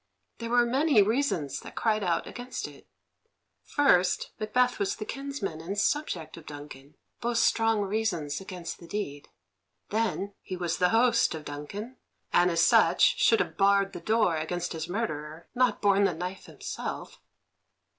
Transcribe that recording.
There were many reasons that cried out against it. First, Macbeth was the kinsman and subject of Duncan, both strong reasons against the deed. Then, he was the host of Duncan, and as such should have barred the door against his murderer, not borne the knife himself.